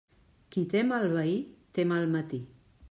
Qui té mal veí, té mal matí.